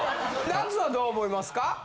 なつはどう思いますか？